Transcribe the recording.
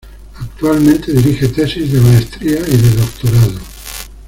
Actualmente dirige tesis de maestría y de doctorado.